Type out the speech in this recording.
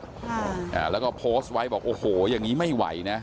มีกล้องติดหมวกกันน็อคแล้วก็โพสต์ไว้บอกโอ้โหอย่างนี้ไม่ไหวนะ